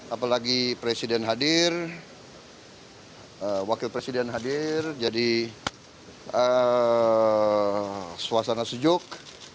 apalagi presiden hadir wakil presiden hadir jadi suasana sejuk